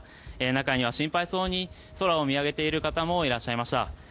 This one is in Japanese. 中には心配そうに空を見上げている方もいらっしゃいました。